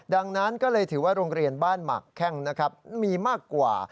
ดังนั้นก็เลยถือว่าโรงเรียนบ้านหมากแข้งนะครับมีมากกว่า